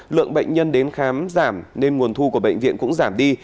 lượng bệnh nhân đến khám giảm nên nguồn thu của bệnh viện cũng giảm đi